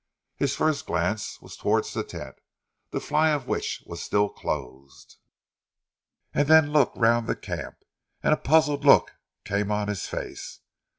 His first glance was towards the tent, the fly of which was still closed, then he looked round the camp and a puzzled look came on his face.